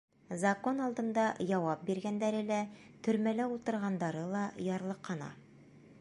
Закон алдында яуап биргәндәре лә, төрмәлә ултырғандары ла ярлыҡана.